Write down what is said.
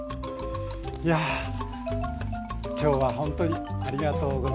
いや今日はほんとにありがとうございました。